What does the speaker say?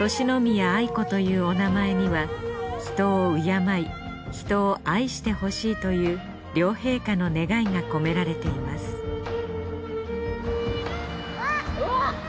敬宮愛子というお名前には人を敬い人を愛してほしいという両陛下の願いが込められていますわっ！